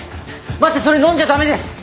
待ってそれ飲んじゃ駄目です！